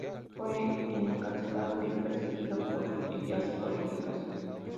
Fue encarcelado y perseguido por sus ideas políticas.